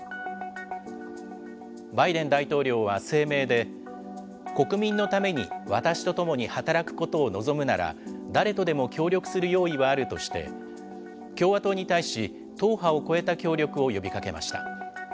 バイデン大統領は声明で、国民のために私と共に働くことを望むなら、誰とでも協力する用意はあるとして、共和党に対し、党派を超えた協力を呼びかけました。